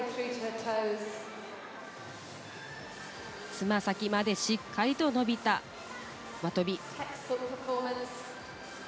つま先までしっかりと伸びた輪とび。